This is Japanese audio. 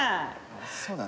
そうだね。